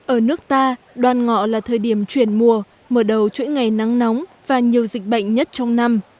ở nước ta đoàn ngọ là thời điểm chuyển mùa mở đầu chuỗi ngày nắng nóng và nhiều dịch bệnh nhất trong năm